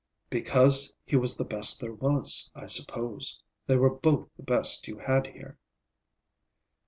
"Because he was the best there was, I suppose. They were both the best you had here."